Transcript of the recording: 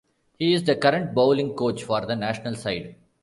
He is the current bowling coach for the national side.